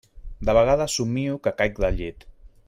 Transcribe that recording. De vegades somio que caic del llit.